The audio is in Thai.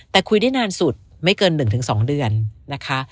แต่คุยได้นานสุดไม่เกิน๑๒เดือนนะคะ